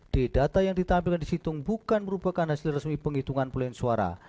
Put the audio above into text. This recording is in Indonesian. di data yang ditampilkan di situng bukan merupakan hasil resmi penghitungan pelian suara